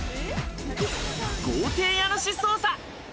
豪邸家主捜査。